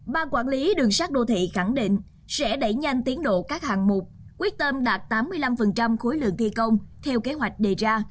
ban quản lý đường sát đô thị khẳng định sẽ đẩy nhanh tiến độ các hạng mục quyết tâm đạt tám mươi năm khối lượng thi công theo kế hoạch đề ra